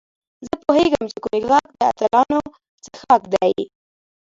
زه پوهېږم چې کونیګاک د اتلانو څښاک دی.